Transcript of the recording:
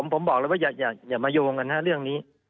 ผมบอกเลยว่าอย่ามาโยงกันเรื่องนี้